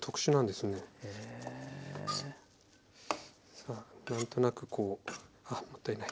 さあ何となくこうあっもったいない。